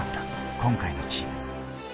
今回のチーム。